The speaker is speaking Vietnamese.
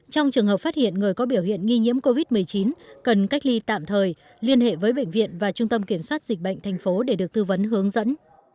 trong trường hợp phát hiện người có biểu hiện nghi nhiễm covid một mươi chín cần cách ly tạm thời liên hệ với bệnh viện và trung tâm kiểm soát dịch bệnh thành phố để được tư vấn hướng dẫn